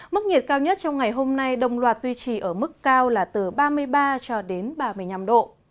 mức nhiệt cao nhất trong ngày hôm nay đồng loạt duy trì ở mức cao là từ ba mươi ba cho đến ba mươi năm độ